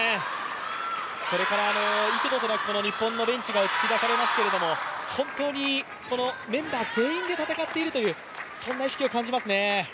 それから幾度となく日本のベンチが映し出されますけど、本当にメンバー全員で戦っているという意識を感じますね。